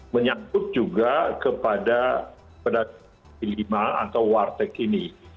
menyangkut juga kepada pedagang kaki lima atau warteg ini